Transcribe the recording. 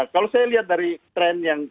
kalau saya lihat dari tren yang